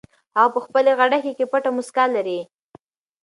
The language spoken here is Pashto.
هغه په خپلې غړکۍ کې پټه موسکا لري.